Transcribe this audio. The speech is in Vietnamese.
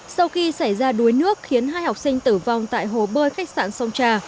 sau khi xảy ra đuối nước khiến hai học sinh tử vong tại hồ bơi khách sạn sông trà